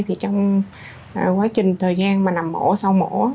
trong quá trình thời gian nằm mổ sau mổ